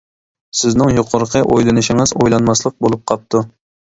سىزنىڭ يۇقىرىقى ئويلىنىشىڭىز ئويلانماسلىق بولۇپ قاپتۇ.